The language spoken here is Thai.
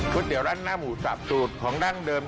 เตี๋ยวรั่นหน้าหมูสับสูตรของดั้งเดิม